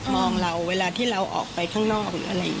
มองเราเวลาที่เราออกไปข้างนอก